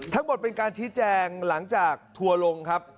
ทั้งหมดเป็นการชี้แจงหลังจากทัวร์ลงครับ